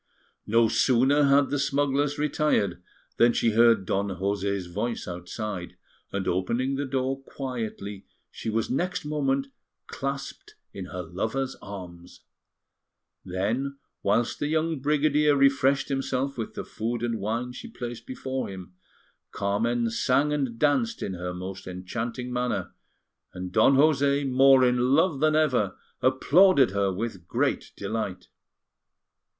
No sooner had the smugglers retired than she heard Don José's voice outside; and opening the door quietly, she was next moment clasped in her lover's arms. Then, whilst the young brigadier refreshed himself with the food and wine she placed before him, Carmen sang and danced in her most enchanting manner, and Don José, more in love than ever, applauded her with great delight.